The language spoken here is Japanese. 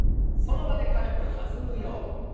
その場で軽く弾むように。